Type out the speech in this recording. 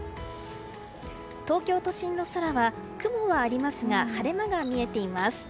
東京都心の空は雲はありますが晴れ間が見えています。